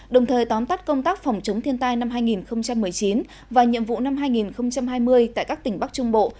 đồng thời tóm tắt công tác phòng chống thiên tai năm hai nghìn một mươi chín và nhiệm vụ năm hai nghìn hai mươi tại các tỉnh bắc trung bộ